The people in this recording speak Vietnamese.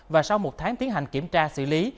và sau một tháng tiến hành kiểm tra xử lý